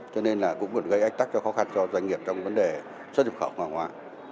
cho nên là cũng gây ách tắc cho khó khăn cho doanh nghiệp trong vấn đề xuất nhập khẩu hàng hóa